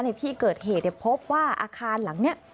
ในที่เกิดเหตุพบว่าอาคารหลังนี้